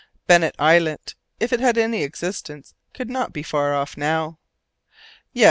Bennet Islet, if it had any existence, could not be far off now. Yes!